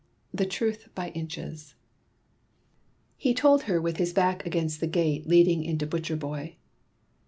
X THE TRUTH BY INCHES He told her with his back against the gate leading into Butcher boy.